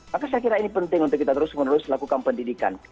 maka saya kira ini penting untuk kita terus menerus lakukan pendidikan